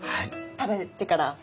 食べてからね！